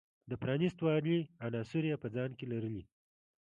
د پرانیست والي عناصر یې په ځان کې لرلی.